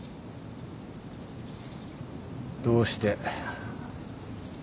どうして。